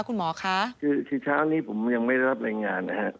คุณหมอคะคือเช้านี้ผมยังไม่ได้รับรายงานนะฮะ